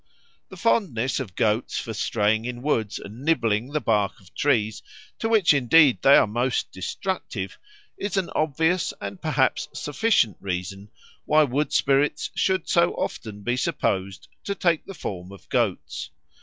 The fondness of goats for straying in woods and nibbling the bark of trees, to which indeed they are most destructive, is an obvious and perhaps sufficient reason why wood spirits should so often be supposed to take the form of goats.